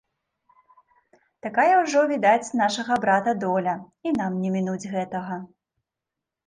Такая ўжо, відаць, нашага брата доля, і нам не мінуць гэтага.